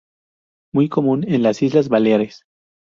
Muy común en las islas Baleares.